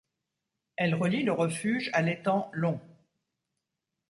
Elle relie le refuge à l’étang Long.